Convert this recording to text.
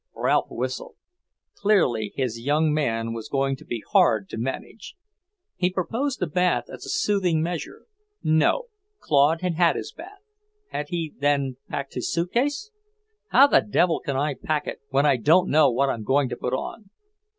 Ralph whistled. Clearly, his young man was going to be hard to manage. He proposed a bath as a soothing measure. No, Claude had had his bath. Had he, then, packed his suitcase? "How the devil can I pack it when I don't know what I'm going to put on?"